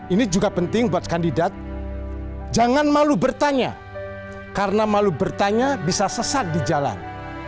ini juga penting buat kandidat jangan malu bertanya karena malu bertanya bisa sesat di jalan